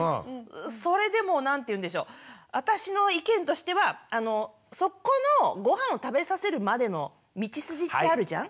それでも何ていうんでしょ私の意見としてはそこのごはんを食べさせるまでの道筋ってあるじゃん？